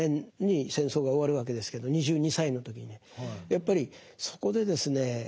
やっぱりそこでですね